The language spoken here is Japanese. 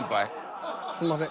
すんません。